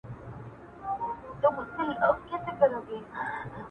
هر کور يو غم لري تل,